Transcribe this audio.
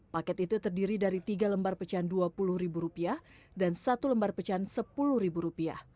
paket itu terdiri dari tiga lembar pecahan rp dua puluh dan satu lembar pecahan rp sepuluh